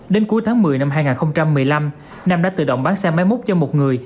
đến cuối tháng một mươi năm hai nghìn một mươi năm nam đã tự động bán xe máy múc cho một người